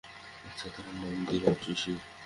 আচ্ছা, তাহার নাম দিলাম শিশির।